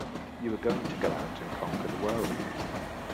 You were going to go out and conquer the world!